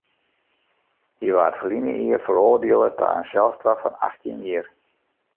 Hy waard ferline jier feroardiele ta in selstraf fan achttjin jier.